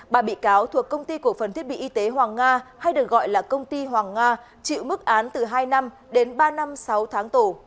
ba bị cáo thuộc công ty cổ phần thiết bị y tế hoàng nga hay được gọi là công ty hoàng nga chịu mức án từ hai năm đến ba năm sáu tháng tù